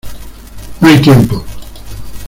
no hay tiempo.